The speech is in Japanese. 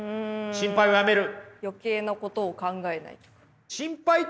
心配をやめる。